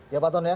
ya pak anton ya